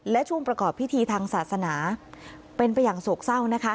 และช่วงประกอบพิธีทางศาสนาเป็นไปอย่างโศกเศร้านะคะ